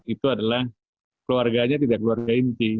itu adalah keluarganya tidak keluarga inti